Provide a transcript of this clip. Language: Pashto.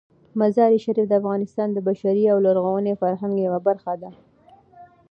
مزارشریف د افغانستان د بشري او لرغوني فرهنګ یوه برخه ده.